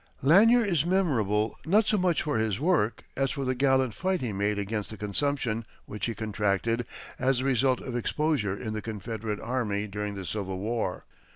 Lanier is memorable not so much for his work as for the gallant fight he made against the consumption which he had contracted as the result of exposure in the Confederate army during the Civil War.